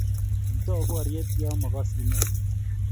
kiitou borye ya makosyinio